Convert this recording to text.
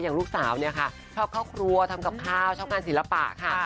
อย่างลูกสาวชอบเข้าครัวทำกับข้าวน่าการศิลปะค่ะ